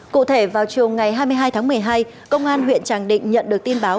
cụ thể vào chiều ngày hai mươi hai tháng một mươi hai công an huyện tràng định nhận được tin báo